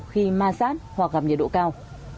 khi ma sát hoặc gặp nhiệt độ cao